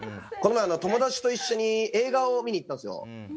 この前友達と一緒に映画を見に行ったんですよ。